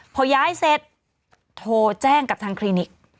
พอย้ายเสร็จโทรแจ้งกับทางคลินิก